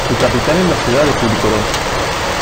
Su capital es la ciudad de Kulikoró.